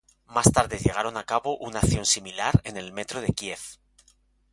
Más tarde llevaron a cabo una acción similar en el Metro de Kiev.